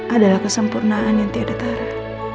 adalah kesempurnaan yang tidak ada tarah